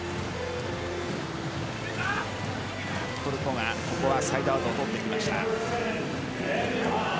トルコがサイドアウトを取ってきました。